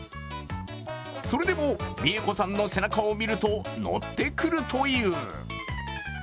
それでも、みえこさんの背中を見ると乗ってくるという。